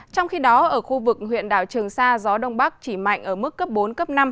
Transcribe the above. trong khi đó ở khu vực huyện đảo trường sa gió đông bắc chỉ mạnh ở mức cấp bốn cấp năm